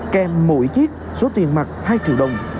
kèm mỗi chiếc số tiền mặt hai triệu đồng